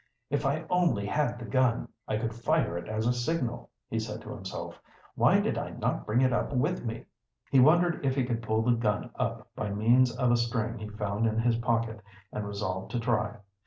"If I only had the gun, I could fire it as a signal," he said to himself. "Why did I not bring it up with me?" He wondered if he could pull the gun up by means of a string he found in his pocket, and resolved to try.